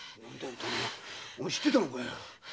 お前知ってたのかよ。